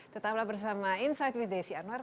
tetaplah bersama insight with desi anwar